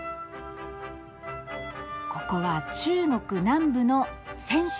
ここは中国南部の泉州。